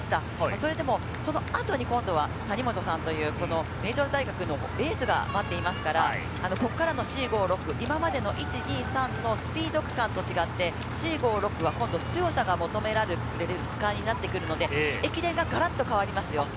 それでも、その後に谷本さんという名城大学のエースが待っていますから、ここからの４、５、６、今までの１、２、３のスピード区間と違って、４・５・６区は強さが求められる区間になってくるので、駅伝がガラッと変わりますよ。